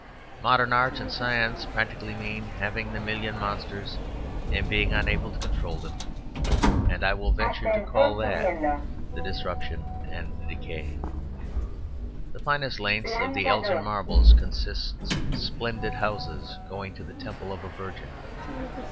Modern art and science practically mean having the million monsters and being unable to control them; and I will venture to call that the disruption and the decay. The finest lengths of the Elgin marbles consist splendid houses going to the temple of a virgin.